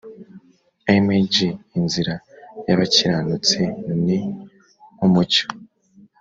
Img inzira y abakiranutsi ni nk umucyo